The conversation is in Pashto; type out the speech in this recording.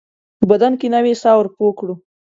په بدن کې نوې ساه ورپو کړو